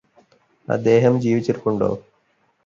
അദ്ദേഹം ജീവിച്ചിരിപ്പുണ്ടോ